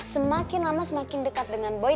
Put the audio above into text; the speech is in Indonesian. semakin lama semakin dekat dengan boy